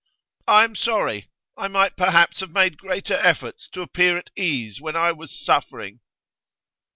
'I am sorry. I might perhaps have made greater efforts to appear at ease when I was suffering.